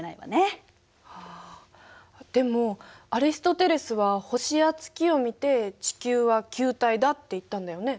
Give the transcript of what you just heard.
あでもアリストテレスは星や月を見て地球は球体だって言ったんだよね。